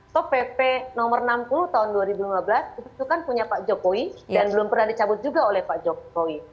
top pp nomor enam puluh tahun dua ribu lima belas itu kan punya pak jokowi dan belum pernah dicabut juga oleh pak jokowi